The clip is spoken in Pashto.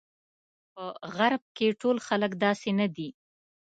په غرب کې ټول خلک داسې نه دي.